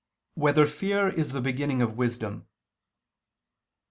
6] Whether Fear Is the Beginning of Wisdom?